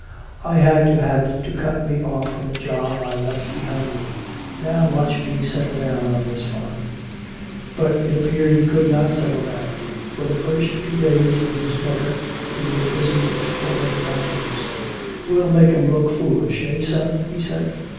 "I had to have it to cut me off from the job I left behind me. Now watch me settle down on this farm." But it appeared he could not settle down. For the first few days, in his motor, he was busy exploring the mountains. "We'll make 'em look foolish. Eh, son?" he said.